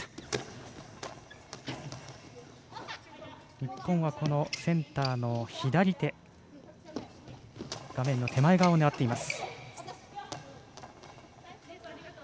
日本はセンターの左手画面手前側を狙っています。